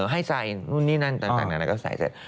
ให้ใส่นู่นนี่นั่นต่างนานาก็ใส่เสร็จ